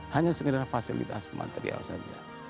hanya sekedar fasilitas material saja